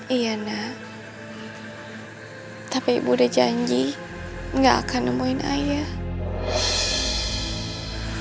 iya nak tapi ibu udah janji gak akan nemuin ayah